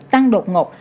tăng đột ngột